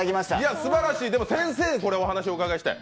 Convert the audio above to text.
すばらしい、先生これはお話をお伺いしたい。